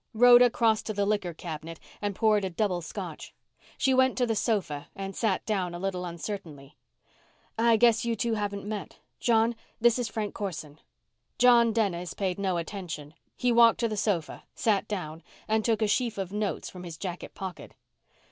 Rhoda crossed to the liquor cabinet and poured a double Scotch. She went to the sofa and sat down a little uncertainly. "I guess you two haven't met. John, this is Frank Corson." John Dennis paid no attention. He walked to the sofa, sat down, and took a sheaf of notes from his jacket pocket.